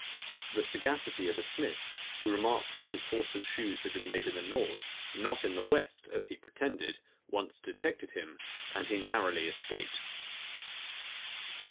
The sagacity of a smith, who remarked that his horse's shoes had been made in the north, not in the west, as he pretended, once detected him; and he narrowly escaped.